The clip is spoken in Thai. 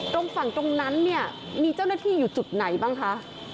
ตรงฝั่งตรงนั้นเนี่ยมีเจ้าหน้าที่อยู่จุดไหนบ้างคะ